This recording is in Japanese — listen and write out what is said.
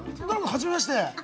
はじめまして。